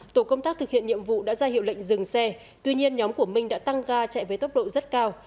tổ công tác thực hiện nhiệm vụ đã ra hiệu lệnh dừng xe tuy nhiên nhóm của minh đã tăng ga chạy với tốc độ rất cao